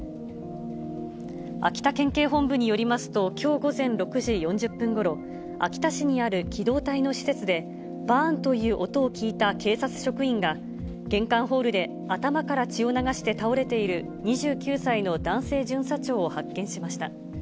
秋田県警本部によりますと、きょう午前６時４０分ごろ、秋田市にある機動隊の施設で、ばーんという音を聞いた警察職員が、玄関ホールで、頭から血を流して倒れている２９歳の男性巡査長を発見しました。